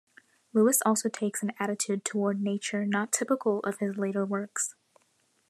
Lewis also takes an attitude toward nature not typical of his later works.